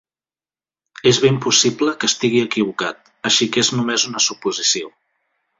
És ben possible que estigui equivocat, així que és només una suposició.